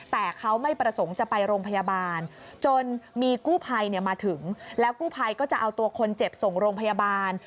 แต่เขาไม่ประสงค์จะไปโรงพยาบาลจนมีกู้ภัยมาถึงแล้วกู้ภัยก็จะเอาตัวคนเจ็บส่งโรงพยาบาล